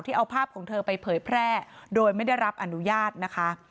เอาภาพของเธอไปเผยแพร่โดยไม่ได้รับอนุญาตนะคะ